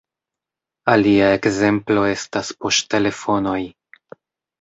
Alia ekzemplo estas poŝtelefonoj.